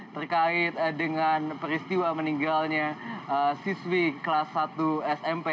terkait dengan peristiwa meninggalnya siswi kelas satu smp